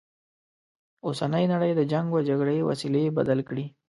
اوسنۍ نړی د جنګ و جګړې وسیلې بدل کړي.